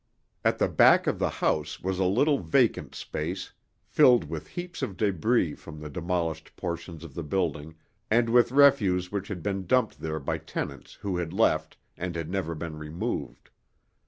At the back of the house was a little vacant space, filled with heaps of débris from the demolished portions of the building and with refuse which had been dumped there by tenants who had left and had never been removed.